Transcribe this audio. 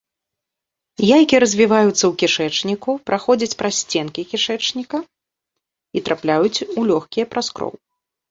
Яйкі развіваюцца ў кішэчніку, праходзяць праз сценкі кішэчніка і трапляюць у лёгкія праз кроў.